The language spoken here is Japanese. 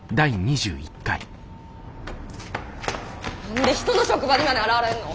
何で人の職場にまで現れんの！？